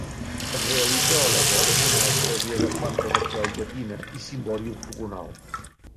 Es realitza aleshores una església de planta de creu llatina i cimbori octogonal.